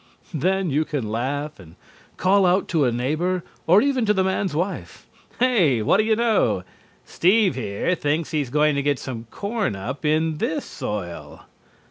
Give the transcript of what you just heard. Then you can laugh, and call out to a neighbor, or even to the man's wife: "Hey, what do you know? Steve here thinks he's going to get some corn up in this soil!"